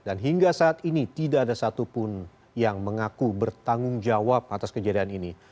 dan hingga saat ini tidak ada satupun yang mengaku bertanggung jawab atas kejadian ini